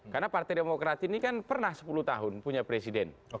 karena partai demokrat ini kan pernah sepuluh tahun punya presiden